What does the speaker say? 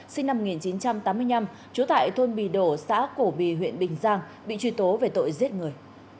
sinh năm một nghìn chín trăm tám mươi năm trú tại thôn bì đổ xã cổ bì huyện bình giang bị truy tố về tội giết người